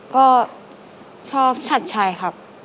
ก็ชอบชัดชัยครับ